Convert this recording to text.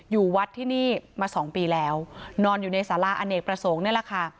อยู่วัดที่นี่มาสองปีแล้วนอนอยู่ในสาราอเนกประสงค์นี่แหละค่ะ